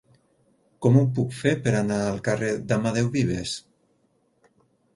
Com ho puc fer per anar al carrer d'Amadeu Vives?